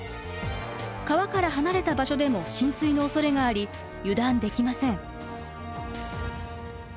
川から離れた場所でも浸水のおそれがあり油断できません。